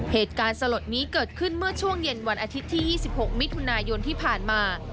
เหตุการณ์สลดนี้เกิดขึ้นเมื่อช่วงเย็นวันอาทิตย์ที่๒๖มิถุนายนที่ผ่านมา